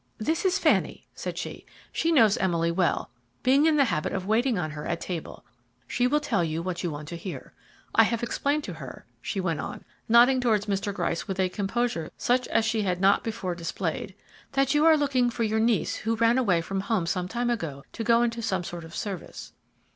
"This is Fanny," said she; "she knows Emily well, being in the habit of waiting on her at table; she will tell you what you want to hear. I have explained to her," she went on, nodding towards Mr. Gryce with a composure such as she had not before displayed; "that you are looking for your niece who ran away from home some time ago to go into some sort of service."